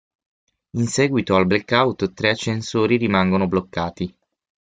In seguito al blackout tre ascensori rimangono bloccati.